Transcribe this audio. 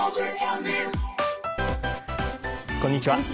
こんにちは。